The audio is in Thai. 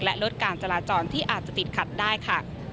และลดการจราจรที่อาจจะติดขัดได้ค่ะ